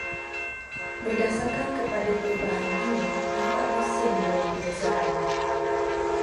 Berdasarkan kepada perubahan ini, empat musim boleh dibezakan.